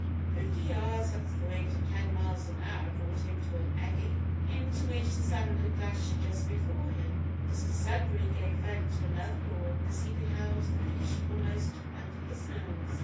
Fifty yards at the rate of ten miles an hour brought him to an eddy, into which the salmon had dashed just before him. Mr Sudberry gave vent to another roar as he beheld the fish almost under his nose.